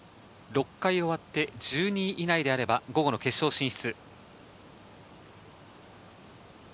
６回終わって１０人以内であれば、午後の決勝進出。